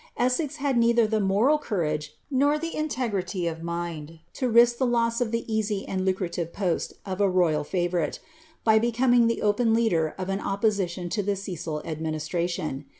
Essex had neither the moral courage nor the integrity of mind to risk the loss of the easy and lucrative post of a royal fiivourite, by becoming the open leader of an opposition to the Cecil administration.